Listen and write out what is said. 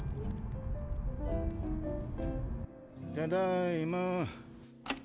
ただいま。